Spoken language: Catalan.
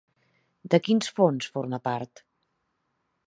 De quins fons forma part?